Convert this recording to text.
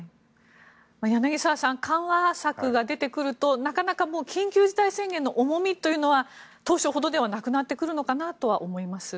柳澤さん緩和策が出てくるとなかなか緊急事態宣言の重みというのは当初ほどではなくなってくるのかなと思います。